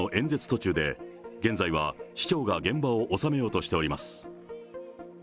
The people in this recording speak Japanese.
途中で、現在は市長が現場を収めようとしております。